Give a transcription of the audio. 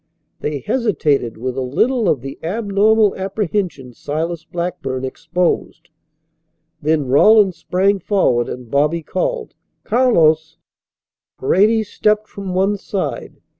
They hesitated with a little of the abnormal apprehension Silas Blackburn exposed. Then Rawlins sprang forward, and Bobby called: "Carlos!" Paredes stepped from one side.